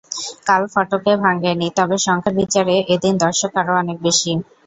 কাল ফটক ভাঙেনি, তবে সংখ্যার বিচারে এদিন দর্শক আরও অনেক বেশি।